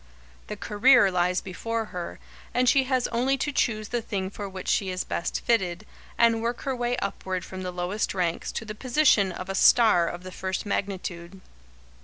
The "career" lies before her, and she has only to choose the thing for which she is best fitted, and work her way upward from the lowest ranks to the position of a star of the first magnitude.